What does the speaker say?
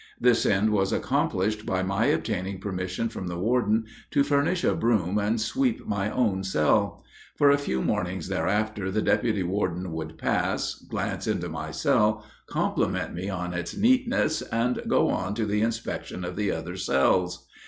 This end was accomplished by my obtaining permission from the warden to furnish a broom and sweep my own cell. For a few mornings thereafter the deputy warden would pass, glance into my cell, compliment me on its neatness, and go on to the inspection of the other cells.